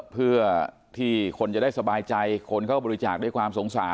เพื่อที่คนจะได้สบายใจคนเข้าบริจาคด้วยความสงสาร